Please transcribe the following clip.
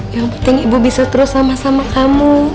yang penting ibu bisa terus sama sama kamu